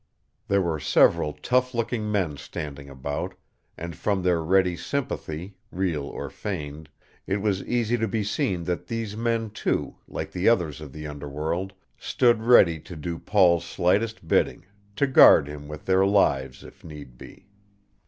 There were several tough looking men standing about, and from their ready sympathy, real or feigned, it was easy to be seen that these men, too, like the others of the underworld, stood ready to do Paul's slightest bidding, to guard him with their lives if need be.